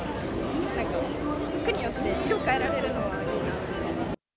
なんか服によって変えられるのがいいな。